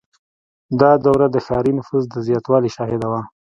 • دا دوره د ښاري نفوس د زیاتوالي شاهده وه.